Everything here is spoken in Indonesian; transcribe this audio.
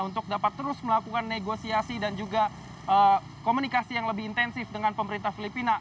untuk dapat terus melakukan negosiasi dan juga komunikasi yang lebih intensif dengan pemerintah filipina